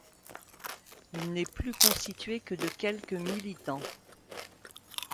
Il n'est plus constitué que de quelques militants.